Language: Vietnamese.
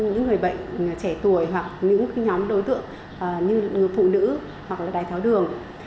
những người bệnh trẻ tuổi hoặc những nhóm đối tượng như phụ nữ hoặc là đài tháo đường